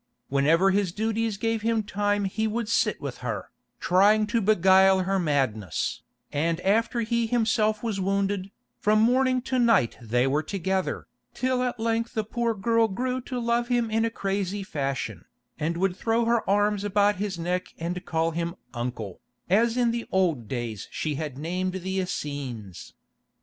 Whenever his duties gave him time he would sit with her, trying to beguile her madness, and after he himself was wounded, from morning to night they were together, till at length the poor girl grew to love him in a crazy fashion, and would throw her arms about his neck and call him "uncle," as in the old days she had named the Essenes.